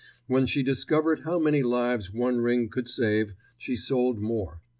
When she discovered how many lives one ring could save, she sold more.